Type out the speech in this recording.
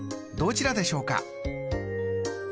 どちらでしょうか？